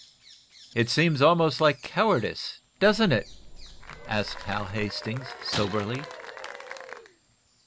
"It seems almost like cowardice, doesn't it?" asked Hal Hastings, soberly.